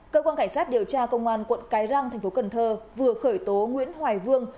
cơ quan cảnh sát điều tra công an quận cái răng tp cn vừa khởi tố nguyễn hoài vương